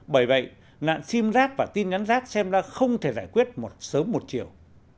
bởi vậy nạn sim rác và tin nhắn rác xem ra không thể giải quyết một sớm một chiều